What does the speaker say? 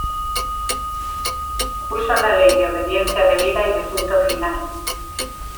Se opuso a la ley de obediencia debida y de punto final.